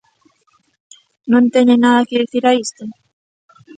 ¿Non teñen nada que dicir a isto?